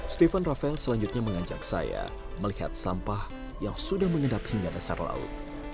stephen rafael selanjutnya mengajak saya melihat sampah yang sudah mengendap hingga dasar laut